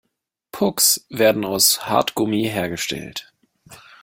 Pucks werden aus Hartgummi hergestellt.